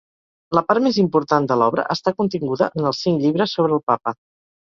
La part més important de l'obra està continguda en els cinc llibres sobre el Papa.